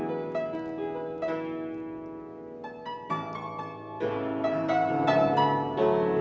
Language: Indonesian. mbak desi nyanyi